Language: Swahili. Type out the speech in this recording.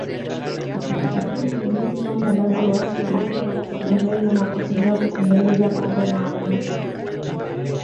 nyingine ni ndizi ngombe ambazo huachwa ziive halafu humenywa na kutumiwa kutengenezea pombe maarufu